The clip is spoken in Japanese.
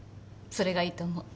それがいいと思う。